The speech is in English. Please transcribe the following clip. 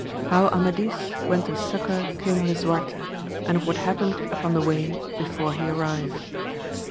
— How Amadis went to succour King Lisuarte, and of what hftppened upon the way before he arrived.